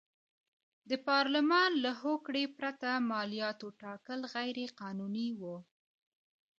د پارلمان له هوکړې پرته مالیاتو ټاکل غیر قانوني و.